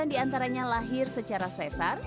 sembilan diantaranya lahir secara sesar